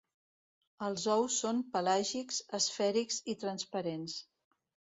Els ous són pelàgics, esfèrics i transparents.